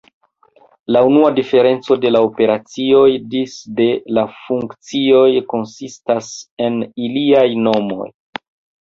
La unua diferenco de la operacioj disde la funkcioj konsistas en iliaj nomoj.